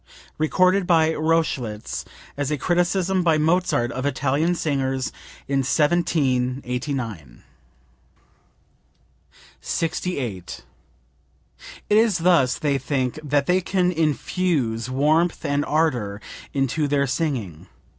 (Recorded by Rochlitz as a criticism by Mozart of Italian singers in 1789.) 68. "It is thus, they think, that they can infuse warmth and ardor into their singing.